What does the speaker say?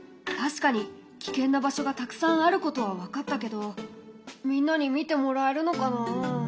確かに危険な場所がたくさんあることは分かったけどみんなに見てもらえるのかな？